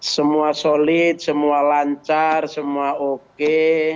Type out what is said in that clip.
semua solid semua lancar semua oke